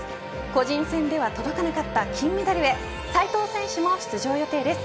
個人戦では届かなかった金メダルへ斉藤選手も出場予定です。